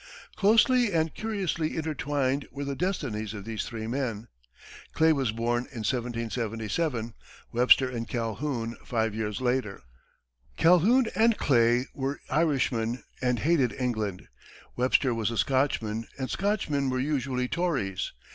Closely and curiously intertwined were the destinies of these three men, Clay was born in 1777; Webster and Calhoun five years later. Calhoun and Clay were Irishmen and hated England; Webster was a Scotchman, and Scotchmen were usually Tories.